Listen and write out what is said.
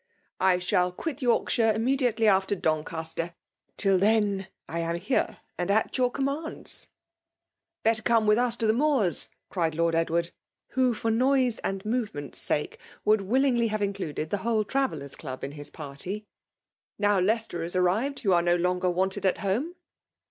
'' I shatt iapit Yorkshire immediately after Ddneaater. Till then, I am here^ and at your commands/' '" Better come i^ith us to the Moors/' erifld Lord !Edward> who, for noise and movemAt sake, would willingly have included the wfetoie Trarellers' Club in his party. '* Now Iicd' cester b arrived, you are no longer wanted %t home."